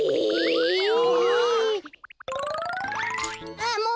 あっもも